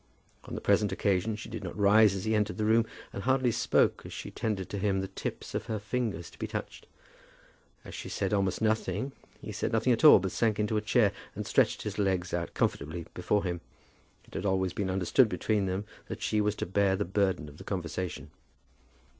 On the present occasion she did not rise as he entered the room, and hardly spoke as she tendered to him the tips of her fingers to be touched. As she said almost nothing, he said nothing at all, but sank into a chair and stretched his legs out comfortably before him. It had been always understood between them that she was to bear the burden of the conversation.